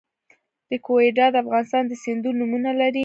ریګویډا د افغانستان د سیندونو نومونه لري